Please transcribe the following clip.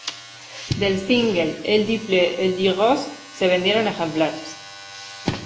Del single "Elle dit bleu elle dit rose" se vendieron ejemplares.